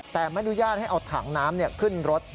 แต่ไม่อนุญาตให้เอาถังน้ำขึ้นรถ